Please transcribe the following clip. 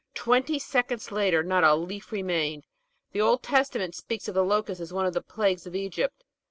Twenty seconds later not a leaf remained 1 The Old Testament speaks of the locust as one of the plagues of Egypt.